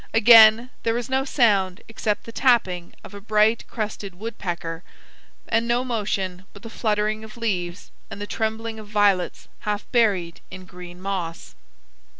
Again there was no sound except the tapping of a bright crested woodpecker, and no motion but the fluttering of leaves and the trembling of violets half buried in green moss.